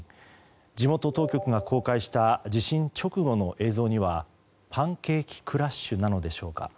地元当局が公開した地震直後の映像にはパンケーキクラッシュなのでしょうか。